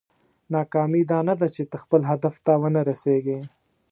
ناکامي دا نه ده چې ته خپل هدف ته ونه رسېږې.